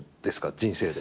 人生で。